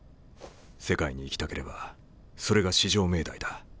世界に行きたければそれが至上命題だ。